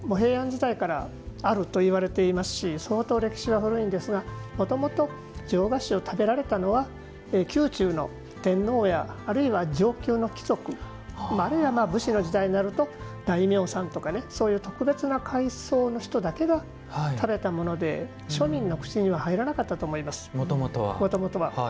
恐らく、平安時代からあると言われていますし相当、歴史は古いんですがもともと上菓子を食べられたのは宮中の天皇やあるいは上級の貴族あるいは武士の時代になると大名さんとかそういう特別な階層の方が食べたもので庶民の口には入らなかったと思います、もともとは。